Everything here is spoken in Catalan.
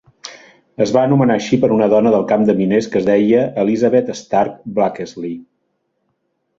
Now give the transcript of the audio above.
Es va anomenar així per una dona del camp de miners que es deia Elizabeth Stark Blakesley.